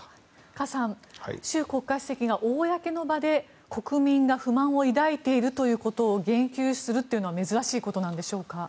カさん習国家主席が公の場で国民が不満を抱いているということを言及するというのは珍しいことなんでしょうか。